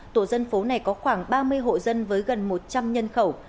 tổ dân phố này có khoảng ba mươi hộ dân với gần một trăm linh nhân khẩu